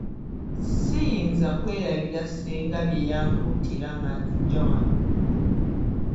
Ssiyinza kwerabira ssenga bye yankuutira nga nzijja wano.